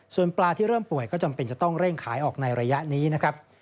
ส่วนปลาที่เริ่มป่วยก็จำเป็นจะต้องเร่งขายออกในระยะนี้นะครับ